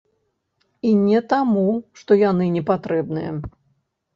І не таму, што яны не патрэбныя.